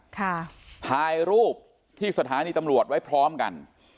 ถ่ายรูปที่สถานีตำรวจไว้พร้อมกัน